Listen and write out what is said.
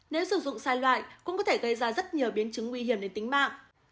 nếu sử dụng sai loại cũng có thể gây ra rất nhiều biến chứng nguy hiểm đến tính mạng